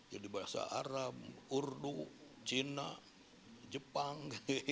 jadi bahasa arab urdu cina jepang